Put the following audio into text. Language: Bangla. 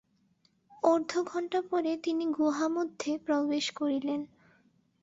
অর্ধ ঘণ্টা পরে তিনি গুহামধ্যে প্রবেশ করিলেন।